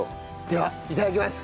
ではいただきます。